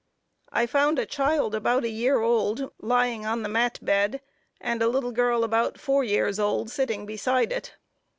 I found a child, about a year old, lying on the mat bed, and a little girl about four years old sitting beside it.